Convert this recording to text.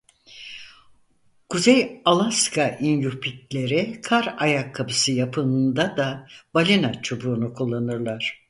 Kuzey Alaska İnyupikleri kar ayakkabısı yapımında da balina çubuğunu kullanırlar.